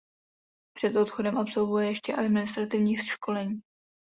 Před odchodem absolvuje ještě administrativní školení.